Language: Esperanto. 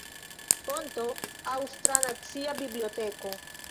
Fonto: Aŭstra Nacia Biblioteko.